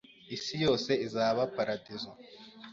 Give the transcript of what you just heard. Isi yose izaba paradizo